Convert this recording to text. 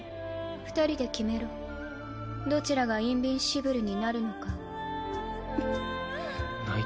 二人で決めろどちらがインビンシブルになるのかを。